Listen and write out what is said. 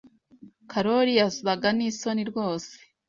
Karoli yasaga nisoni rwose.